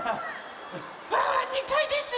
ワンワン２かいです。